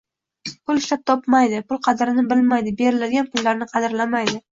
• Pul ishlab topmaydi – pul qadrini bilmaydi, beriladigan pullarni qadrlamaydi;